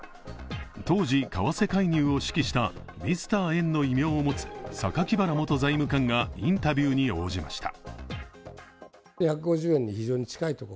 当時、為替介入を指揮したミスター円の異名を持つ榊原元財務官がインタビューに応じました。